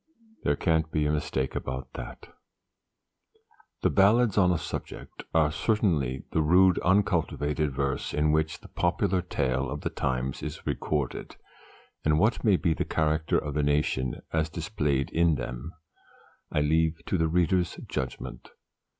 There can't be a mistake about that." The "Ballads on a Subject" are certainly "the rude uncultivated verse in which the popular tale of the times is recorded," and what may be the character of the nation as displayed in them, I leave to the reader's judgment.